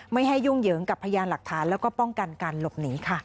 ไม่ให้ยุ่งเหยิงกับพยานหลักฐานแล้วก็ป้องกันการหลบหนีค่ะ